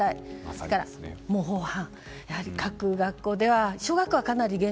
それから模倣犯。